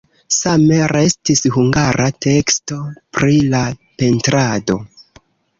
Same restis hungara teksto pri la pentrado.